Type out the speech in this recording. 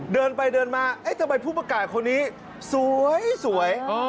เดินไปเดินมาเอ๊ะทำไมผู้ประกาศคนนี้สวย